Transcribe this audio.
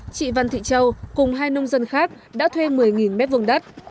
chị văn thị châu cùng hai nông dân khác đã thuê một mươi mét vùng đất